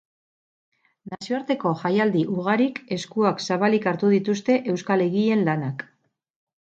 Nazioarteko jaialdi ugarik eskuak zabalik hartu dituzte euskal egileen lanak.